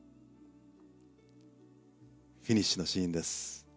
フィニッシュのシーンです。